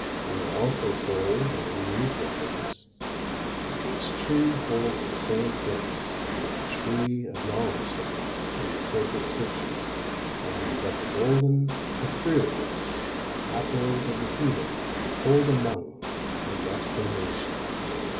We are also told that in these writings "the peach tree holds the same place that the tree of knowledge does in the sacred scriptures, and that the golden Hesperides, apples of the heathen, hold among the western nations."